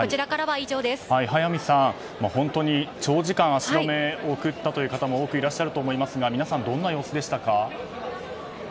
速水さん、本当に長時間足止めを食らったという方も多くいらっしゃると思いますが皆さん、どんな様子でしたか？